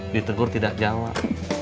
ditegur tidak jawab